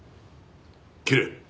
切れ。